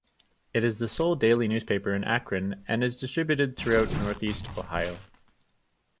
It is the sole daily newspaper in Akron and is distributed throughout Northeast Ohio.